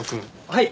はい。